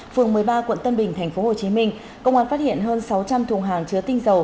phường một mươi ba quận tân bình thành phố hồ chí minh công an phát hiện hơn sáu trăm linh thùng hàng chứa tinh dầu